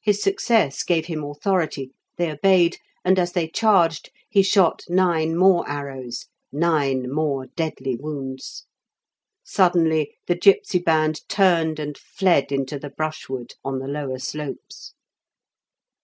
His success gave him authority; they obeyed; and as they charged, he shot nine more arrows; nine more deadly wounds. Suddenly the gipsy band turned and fled into the brushwood on the lower slopes.